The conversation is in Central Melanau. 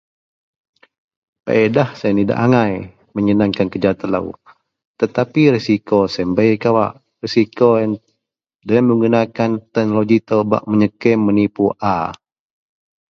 feadah sien idak agai meyenangkan kerja telou tetapi resiko sien bei kawak, resiko ien, deloyien menggunakan teknologi itou bak meyecam menipu a